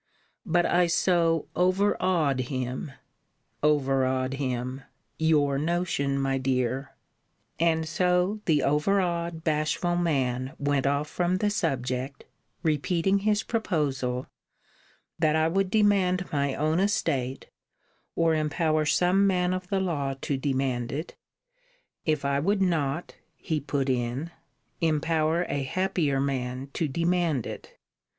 But I so over awed him! [over awed him! Your* notion, my dear!] And so the over awed, bashful man went off from the subject, repeating his proposal, that I would demand my own estate, or empower some man of the law to demand it, if I would not [he put in] empower a happier man to demand it.